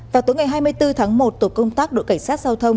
vào tối ngày hai mươi bốn tháng một tổ công tác đội cảnh sát giao thông